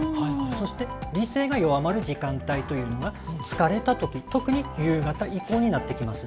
そして理性が弱まる時間帯というのが疲れた時特に夕方以降になってきます。